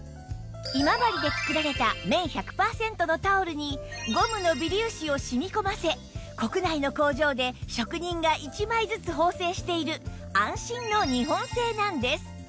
今治で作られた綿１００パーセントのタオルにゴムの微粒子を染み込ませ国内の工場で職人が１枚ずつ縫製している安心の日本製なんです